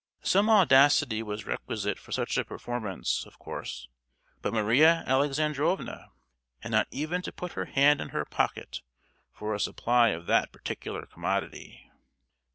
Some audacity was requisite for such a performance, of course; but Maria Alexandrovna had not even to put her hand in her pocket for a supply of that particular commodity.